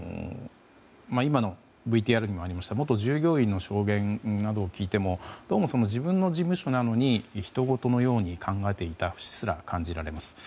今のＶＴＲにもありました元従業員の証言などを聞いてもどうも自分の事務所なのにひとごとのように考えていた節すら感じられます。